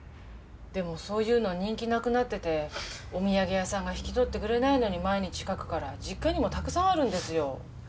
でもそういうの人気なくなっててお土産屋さんが引き取ってくれないのに毎日書くから実家にもたくさんあるんですよ。